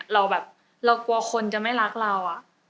เรากลัวคนจะไม่รักเรา